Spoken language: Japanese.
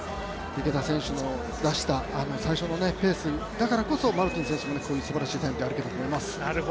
池田選手の出した最初のペースだからこそマルティン選手もすばらしいタイムで歩けたと思います。